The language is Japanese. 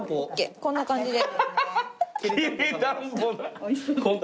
こんな感じです。